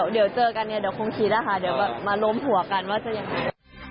เดี๋ยวเจอกันคงคิดละค่ะเดี๋ยวก็มาโรมหัวกันว่าจะยังไง